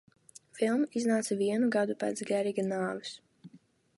Filma iznāca vienu gadu pēc Geriga nāves.